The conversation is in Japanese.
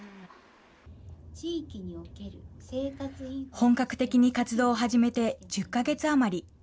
本格的に活動を初めて１０か月余り。